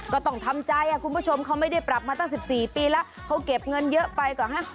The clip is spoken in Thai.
ก็ต้องทำใจคุณผู้ชมเขาไม่ได้ปรับมาตั้ง๑๔ปีแล้วเขาเก็บเงินเยอะไปกว่า๕๐๐